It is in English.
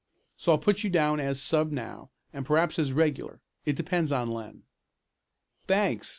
So I'll put you down as sub now and perhaps as regular it depends on Len." "Thanks!"